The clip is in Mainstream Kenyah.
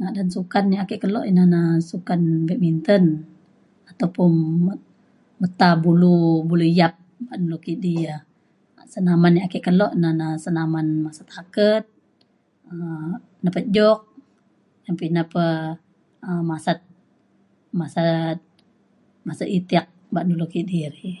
ngadan sukan ia’ ake kelo ina na sukan badminton ataupun meta bulu bulu yap pa’an lu kidi ya senaman ia’ ake kelo na na senaman ngasa taket um na pa jog na pa ina pa um masat masat itik ba’an ulu kidi ia’ ri